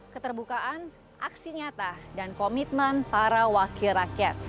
keterbukaan aksi nyata dan komitmen para wakil rakyat